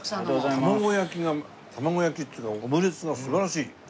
卵焼きっていうかオムレツが素晴らしい。